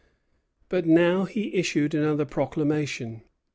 But now he issued another proclamation.